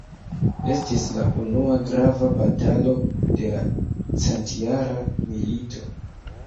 Estis la unua grava batalo de la Centjara milito.